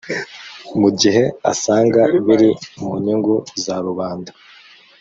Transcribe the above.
mu gihe asanga biri mu nyungu za rubanda